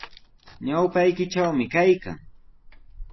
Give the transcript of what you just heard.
Ñawpaykitrawmi kaykan.